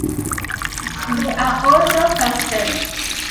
They are also clustered.